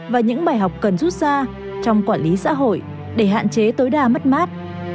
và những bài học cần rút ra trong quản lý xã hội để hạn chế tối đa mất mát